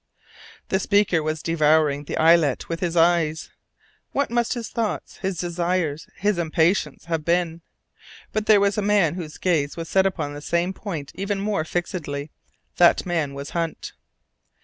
The speaker was devouring the islet with his eyes. What must his thoughts, his desires, his impatience have been! But there was a man whose gaze was set upon the same point even more fixedly; that man was Hunt.